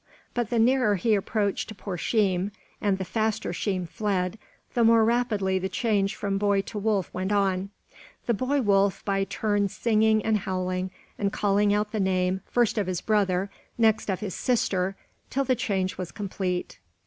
But the nearer he approached to poor Sheem, and the faster Sheem fled, the more rapidly the change from boy to wolf went on; the boy wolf by turns singing and howling, and calling out the name, first of his brother, next of his sister, till the change was complete.